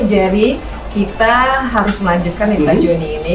tapi jadi kita harus melanjutkan ini sajuni ini